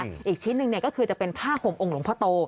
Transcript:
อีกชิ้นนึงก็คือจะเป็นผ้าขมองค์หลงพระโต